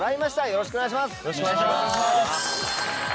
よろしくお願いします！